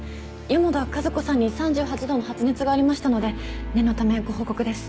四方田和子さんに３８度の発熱がありましたので念のためご報告です。